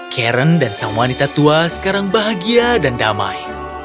karen dan sang wanita tua sekarang bahagia dan damai